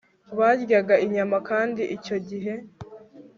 Baryaga inyama kandi icyo gihe